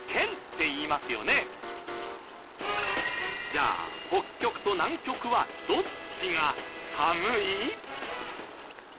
じゃあ北極と南極はどっちが寒い？